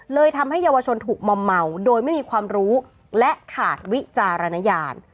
ทำให้เยาวชนถูกมอมเมาโดยไม่มีความรู้และขาดวิจารณญาณ